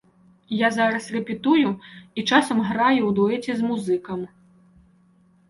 Я зараз рэпетую і часам граю ў дуэце з музыкам.